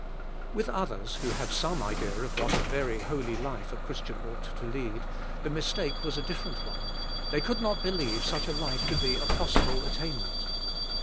With others, who had some idea of what a very holy life a Christian ought to lead, the mistake was a different one: they could not believe such a life to be a possible attainment.